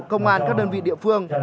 công an các đơn vị địa phương